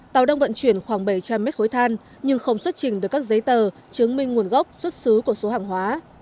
tàu đang vận chuyển khoảng bảy trăm linh mét khối than nhưng không xuất trình được các giấy tờ chứng minh nguồn gốc xuất xứ của số hàng hóa